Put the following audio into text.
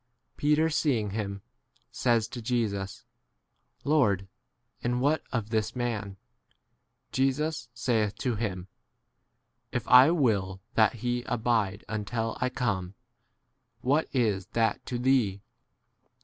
Peter c seeing him, * says to Jesus, Lord, 22 and what [of] this man P Jesus saith to him, If I will that he abide until I come, what is that to 2 Hhee?